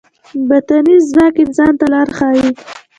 باطني ځواک انسان ته لار ښيي.